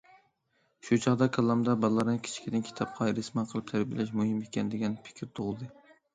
شۇ چاغدا كاللامدا بالىلارنى كىچىكىدىن كىتابقا ھېرىسمەن قىلىپ تەربىيەلەش مۇھىم ئىكەن، دېگەن پىكىر تۇغۇلدى.